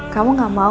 kamu gak mau